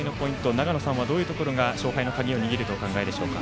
長野さんはどういったところが勝敗の鍵を握るかお考えでしょうか。